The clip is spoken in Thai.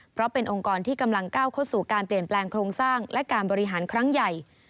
เพราะเป็นองค์กรที่กำลังก้าวเข้าสู่การเปลี่ยนแปลงโครงสร้างและการบริหารครั้งใหญ่